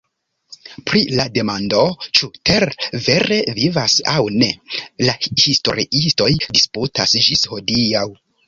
Pri la demando, ĉu Tell vere vivas aŭ ne, la historiistoj disputas ĝis hodiaŭ.